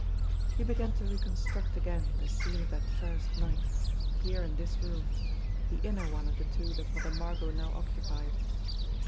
He began to reconstruct again the scene of that first night here in this room, the inner one of the two that Mother Margot now occupied.